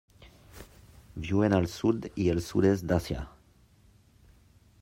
Viuen al sud i el sud-est d'Àsia.